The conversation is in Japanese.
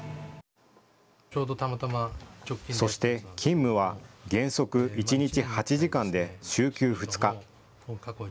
そして勤務は原則一日８時間で週休２日。